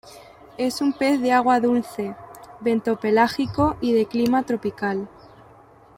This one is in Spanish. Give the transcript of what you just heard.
Es un pez de agua dulce, bentopelágico y de clima tropical.